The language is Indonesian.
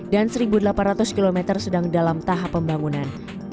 dan satu delapan ratus km sedang dalam tahap pembangunan